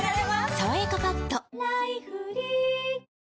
「さわやかパッド」菊池）